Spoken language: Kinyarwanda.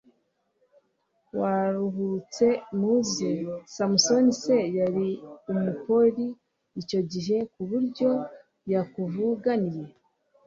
warahuritse muze! samson se yari umupoli icyo gihe kuburyo yakuvuganiye!